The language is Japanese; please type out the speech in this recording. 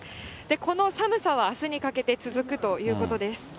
この寒さはあすにかけて続くということです。